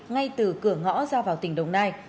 ngay từ cửa ngõ ra vào tỉnh đồng nai